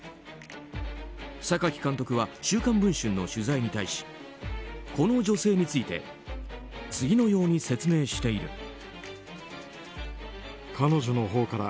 榊監督は「週刊文春」の取材に対しこの女性について次のように説明している。